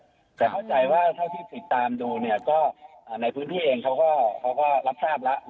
แต่เข้าใจว่าเท่าที่ติดตามดูเนี่ยก็ในพื้นที่เองเขาก็รับทราบแล้ว